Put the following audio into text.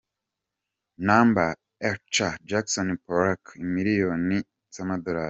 Number A ca Jackson Pollock - imiliyoni $.